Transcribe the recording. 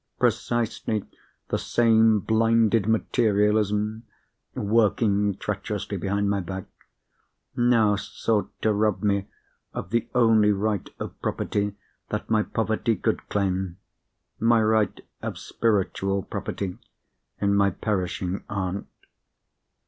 Precisely the same blinded materialism (working treacherously behind my back) now sought to rob me of the only right of property that my poverty could claim—my right of spiritual property in my perishing aunt.